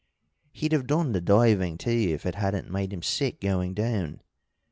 He'd have done the diving too, if it hadn't made him sick going down.